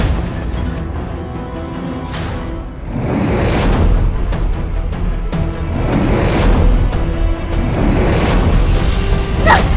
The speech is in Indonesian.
kau akan menang